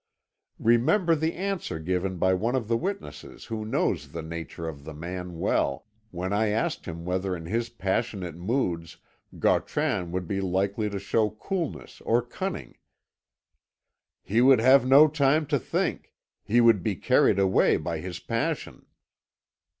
"Remember the answer given by one of the witnesses who knows the nature of the man well, when I asked him whether in his passionate moods Gautran would be likely to show coolness or cunning. 'He would have no time to think; he would be carried away by his passion.'